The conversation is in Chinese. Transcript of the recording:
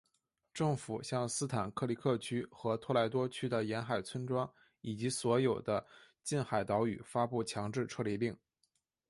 政府向斯坦克里克区和托莱多区的沿海村庄以及所有的近海岛屿发布强制撤离令。